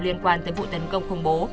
liên quan tới vụ tấn công khủng bố